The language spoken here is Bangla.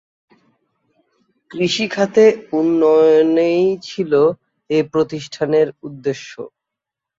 কৃষিখাতে অর্থায়নেই ছিল এ প্রতিষ্ঠানের উদ্দেশ্য।